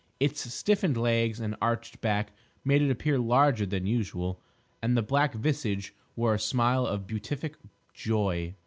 Its stiffened legs and arched back made it appear larger than usual, and the black visage wore a smile of beatific joy.